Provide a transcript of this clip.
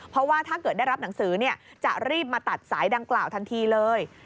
เพราะว่าถ้าเกิดได้รับหนังสือจะรีบมาตัดสายดังกล่าวทันทีเลย